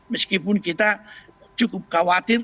meskipun kita cukup khawatir